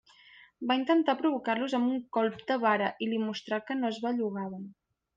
Va intentar provocar-los amb un colp de vara, i li mostrà que no es bellugaven.